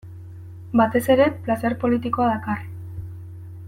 Batez ere, plazer politikoa dakar.